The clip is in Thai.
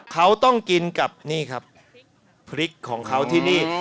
เขาต้องกินกับนี่ครับพริกของเขาที่นี่